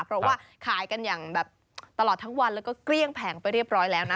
เพราะว่าขายกันอย่างแบบตลอดทั้งวันแล้วก็เกลี้ยงแผงไปเรียบร้อยแล้วนะ